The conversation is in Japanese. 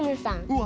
うわ。